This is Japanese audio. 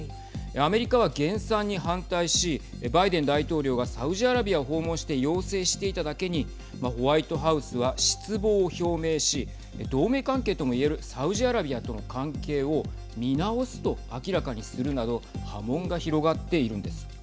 アメリカは減産に反対しバイデン大統領がサウジアラビアを訪問して要請していただけにホワイトハウスは失望を表明し同盟関係ともいえるサウジアラビアとの関係を見直すと明らかにするなど波紋が広がっているんです。